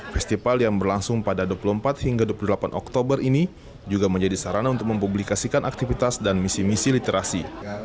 dua puluh empat hingga dua puluh delapan oktober ini juga menjadi sarana untuk mempublikasikan aktivitas dan misi misi literasi